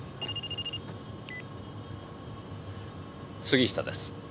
杉下です。